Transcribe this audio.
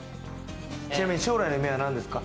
ちなみに将来の夢は何ですか？